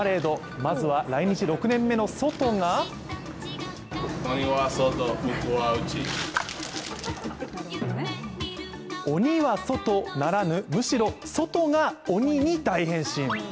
まずは来日６年目のソトが鬼は外ならぬ、むしろソトが鬼に大変身。